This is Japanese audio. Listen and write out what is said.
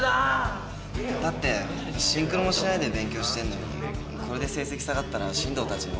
だってシンクロもしないで勉強してんのにこれで成績下がったら進藤たちにもカッコつかないからさ。